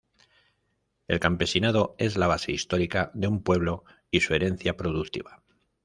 El campesinado es la base histórica de un pueblo y su herencia productiva.